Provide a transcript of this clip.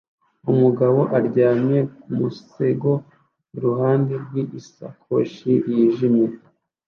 Umugabo aryamye ku musego iruhande rw'isakoshi yijimye